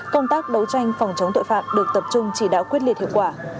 công tác đấu tranh phòng chống tội phạm được tập trung chỉ đạo quyết liệt hiệu quả